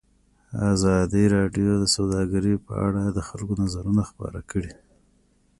ازادي راډیو د سوداګري په اړه د خلکو نظرونه خپاره کړي.